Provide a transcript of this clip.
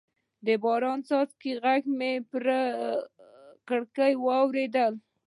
د باران د څاڅکو غږ مې پر کړکۍ واورېد.